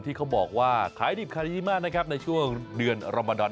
ที่เขาบอกว่าคลายแต่โคลนมานะครับในช่วงเดือนรมนตร